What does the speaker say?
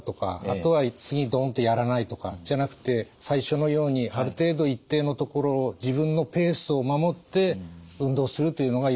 あとは次ドンとやらないとかじゃなくて最初のようにある程度一定のところを自分のペースを守って運動するというのがいいことだと思います。